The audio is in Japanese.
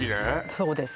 そうです